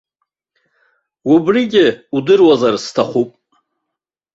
Убригьы удыруазар сҭахуп.